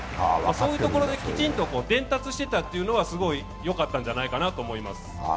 そういうところできちんと伝達してたというのは、すごくよかったんじゃないかと思います。